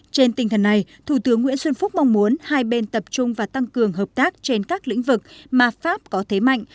trên tinh thần này thủ tướng nguyễn xuân phúc mong muốn hai bên tập trung và tăng cường hợp tác trên các lĩnh vực mà pháp có thế mạnh